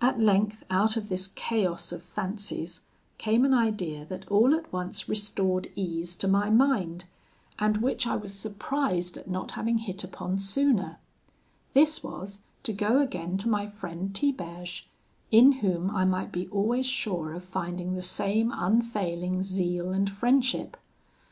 "At length, out of this chaos of fancies came an idea that all at once restored ease to my mind, and which I was surprised at not having hit upon sooner; this was, to go again to my friend Tiberge, in whom I might be always sure of finding the same unfailing zeal and friendship.